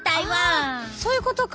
そういうことか！